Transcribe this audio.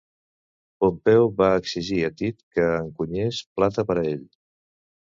Pompeu va exigir a Tit que encunyés plata per a ell.